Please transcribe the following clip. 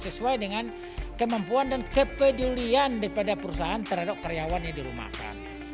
sesuai dengan kemampuan dan kepedulian daripada perusahaan terhadap karyawan yang dirumahkan